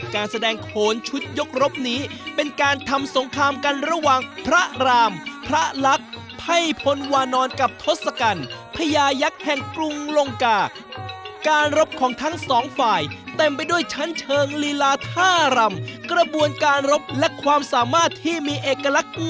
การแสดงโขนชุดยกรบนี้เป็นการทำสงครามกันระหว่างพระรามพระลักษณ์ไพพลวานอนกับทศกัณฐ์พญายักษ์แห่งกรุงลงกาการรบของทั้งสองฝ่ายเต็มไปด้วยชั้นเชิงลีลาท่ารำกระบวนการรบและความสามารถที่มีเอกลักษณ์